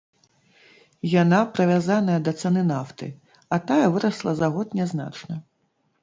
Яна прывязаная да цаны нафты, а тая вырасла за год нязначна.